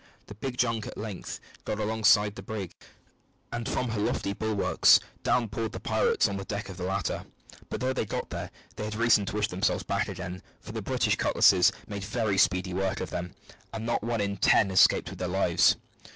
The big junk at length got alongside the brig, and from her lofty bulwarks down poured the pirates on the deck of the latter; but though they got there, they had reason to wish themselves back again, for the British cutlasses made very speedy work of them, and not one in ten escaped with their lives.